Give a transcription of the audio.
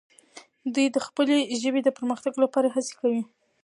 دوی د خپلې ژبې د پرمختګ لپاره هڅې کوي.